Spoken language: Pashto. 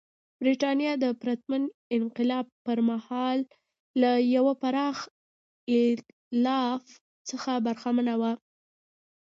برېټانیا د پرتمین انقلاب پر مهال له یوه پراخ اېتلاف څخه برخمنه وه.